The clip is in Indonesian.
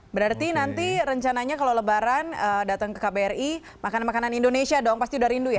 berarti nanti rencananya kalau lebaran datang ke kbri makanan makanan indonesia dong pasti udah rindu ya